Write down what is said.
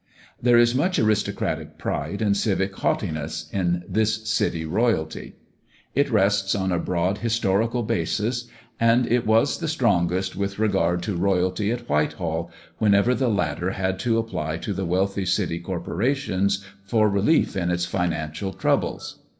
There is much aristocratic pride and civic haughtiness in this city royalty. It rests on a broad historical basis; and it was strongest with regard to royalty at Whitehall, whenever the latter had to apply to the wealthy city corporations for relief in its financial troubles.